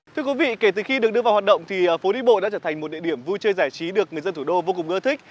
thưa quý vị kể từ khi được đưa vào hoạt động thì phố đi bộ đã trở thành một địa điểm vui chơi giải trí được người dân thủ đô vô cùng ưa thích